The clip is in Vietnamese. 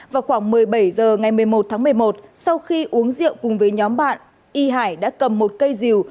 vào khoảng một mươi bảy h ngày một mươi một tháng một mươi một sau khi uống rượu cùng với nhóm bạn y hải đã cầm một cây dìu